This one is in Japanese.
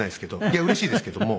いやうれしいですけども。